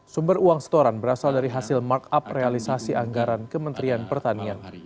sumber uang setoran berasal dari hasil markup realisasi anggaran kementerian pertanian